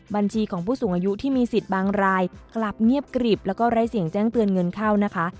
บัญชีของผู้สูงอายุที่มีสิทธิ์บางรายกลับเงียบกริบแล้วก็ไร้เสียงแจ้งเตือนเงินเข้านะคะ